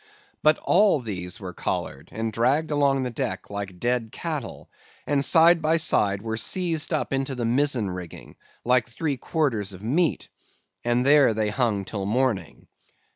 But all these were collared, and dragged along the deck like dead cattle; and, side by side, were seized up into the mizzen rigging, like three quarters of meat, and there they hung till morning.